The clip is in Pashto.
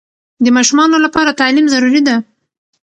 د ماشومانو لپاره تعلیم ضروري ده